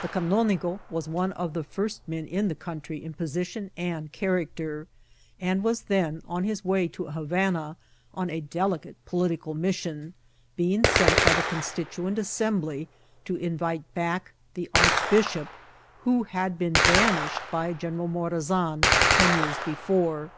The canonigo was one of the first men in the country in position and character, and was then on his way to Havana on a delicate po litical mission, being sent by the Constituent Assem bly to invite back the archbishop, who had been ban ished by General Morazan ten years before.